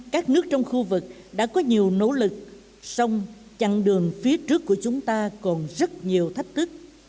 các nước trong khu vực đã có nhiều nỗ lực xong chặng đường phía trước của chúng ta còn rất nhiều thách thức